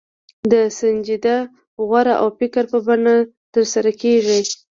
د سنجیده غور او فکر په بڼه ترسره کېږي.